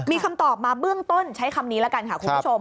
มีคำตอบมาเบื้องต้นใช้คำนี้ละกันค่ะคุณผู้ชม